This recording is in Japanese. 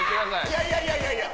いやいやいやいやいや。